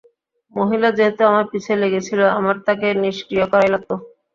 মহিলা যেহেতু আমার পিছে লেগেছিল, আমার তাকে নিষ্ক্রিয় করাই লাগতো।